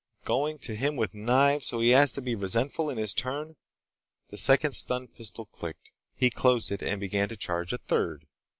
Going at him with knives so he has to be resentful in his turn." The second stun pistol clicked. He closed it and began to charge a third.